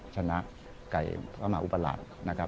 ชนะไก่พระมหาวุประหลาด